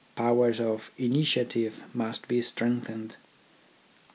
Powers of initiative must be strength ened.